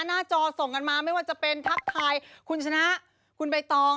หน้าจอส่งกันมาไม่ว่าจะเป็นทักทายคุณชนะคุณใบตอง